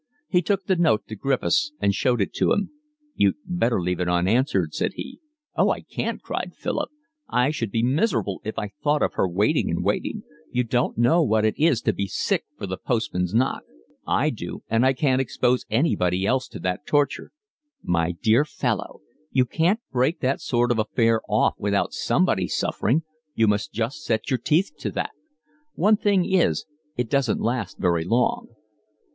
He took the note to Griffiths and showed it to him. "You'd better leave it unanswered," said he. "Oh, I can't," cried Philip. "I should be miserable if I thought of her waiting and waiting. You don't know what it is to be sick for the postman's knock. I do, and I can't expose anybody else to that torture." "My dear fellow, one can't break that sort of affair off without somebody suffering. You must just set your teeth to that. One thing is, it doesn't last very long."